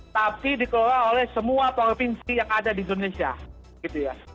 tapi dikelola oleh semua provinsi yang ada di indonesia gitu ya